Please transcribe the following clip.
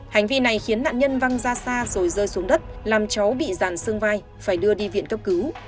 hành vi này khiến nạn nhân văng ra xa rồi rơi xuống đất làm cháu bị giàn sưng vai phải đưa đi viện cấp cứu